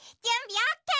オッケー。